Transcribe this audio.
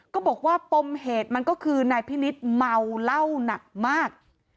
ก็บอกว่าปมเหตุมันก็คือนายพินิษฐ์เมาเหล้าหนักมาก